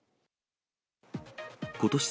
ことし